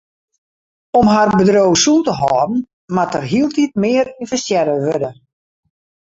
Om har bedriuw sûn te hâlden moat der hieltyd mear ynvestearre wurde.